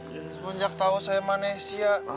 sebenarnya tahu saya manis ya